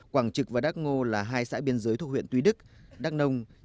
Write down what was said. quảng trực và đắc ngô là hai xã biên giới thuộc huyện tuy đức đắk nông